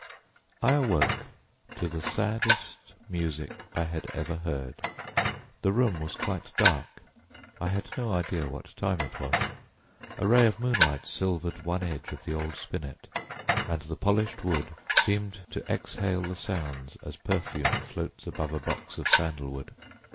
I awoke to the saddest music I had ever heard. The room was quite dark, I had no idea what time it was. A ray of moonlight silvered one edge of the old spinet, and the polished wood seemed to exhale the sounds as perfume floats above a box of sandalwood.